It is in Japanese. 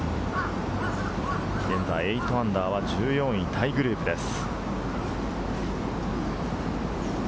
現在−８は１４位タイグループです。